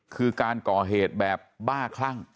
คือการก่อเหตุแบบบ้าคลั่ง